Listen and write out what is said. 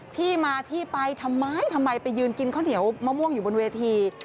ที่มาที่ไปทำไมทำไมไปยืนกินข้าวเหนียวมะม่วงอยู่บนเวที